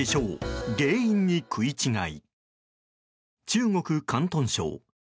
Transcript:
中国・広東省。